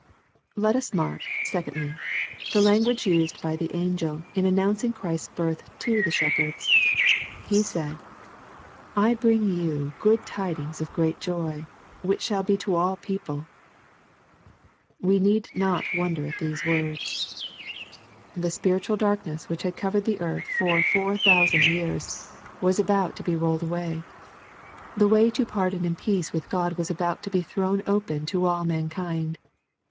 Let us mark, secondly, the language used by the angel in announcing Chrisfs birth to the shepherds. He said, " I bring you good tidings "of great joy, which shall be to all people." We need not wonder at these words. The spiritual LUKE^ CHAP. U. If I darkness which had covered the earth for four thousand years, was about to be rolled away. The way to pardon and peace with God was about to be thrown open to all mankind.